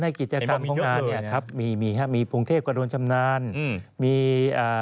อ๋อในกิจกรรมของงานเนี่ยครับมีมีครับมีภูมิเทพกระโดนชำนาญมีอ่า